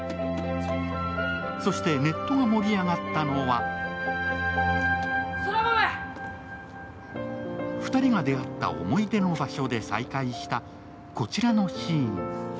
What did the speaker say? そしてネットが盛り上がったのは２人が出会った思い出の場所で再会した、こちらのシーン。